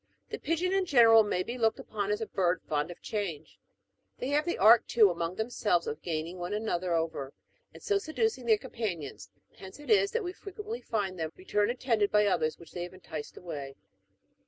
— The pigeon in general may be looked upon as a bird fond of change ; they have the art, too, among themselves of gaining one another over, and so seducing their companions : hence it is that we frequently find them return attended by others which they have enticed away.